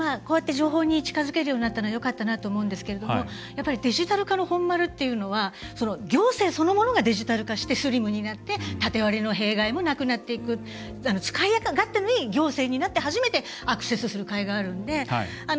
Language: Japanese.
こうやって情報に近づけるようになったのはよかったなと思うんですけれどもやっぱりデジタル化の本丸っていうのは行政そのものがデジタル化してスリムになって縦割りの弊害もなくなっていく使い勝手のいい行政になって初めてアクセスするかいがあるんで。